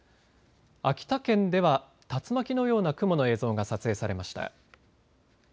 秋田県では竜巻のような雲の映像が撮影されました。